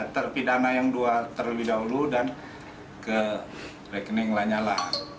terpidana yang dua terlebih dahulu dan ke rekening lanyala